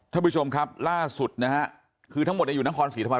ท่านผู้ชมครับร่าสุดคือทั้งหมดในน้ำคลสถวรรษนะ